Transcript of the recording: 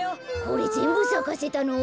これぜんぶさかせたの？